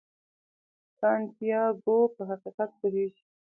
سانتیاګو په حقیقت پوهیږي.